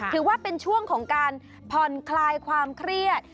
ถือว่าเป็นช่วงของการผ่อนคลายความเครียด